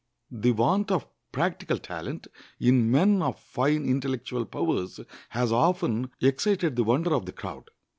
The want of practical talent in men of fine intellectual powers has often excited the wonder of the crowd.